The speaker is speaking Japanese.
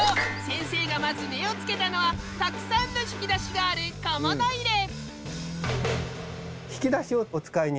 先生がまず目をつけたのはたくさんの引き出しがある小物入れ！